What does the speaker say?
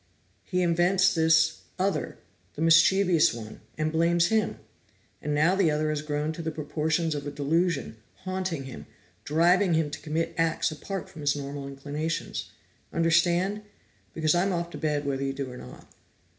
"He invents this other, the mischievous one, and blames him. And now the other has grown to the proportions of a delusion, haunting him, driving him to commit acts apart from his normal inclinations. Understand? Because I'm off to bed whether you do or not."